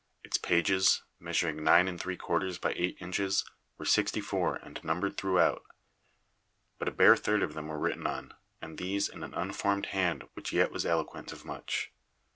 Its pages, measuring 9 and 3/4 by 8 in., were 64, and numbered throughout; but a bare third of them were written on, and these in an unformed hand which yet was eloquent of much.